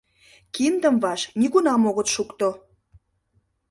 Киндым ваш нигунам огыт шукто.